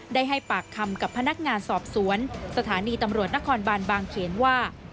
ได้ให้ปากคำกับพนักงานสอบสวนสถานีตำรวจนครบานบางเขนว่า